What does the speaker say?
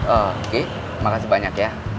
oke makasih banyak ya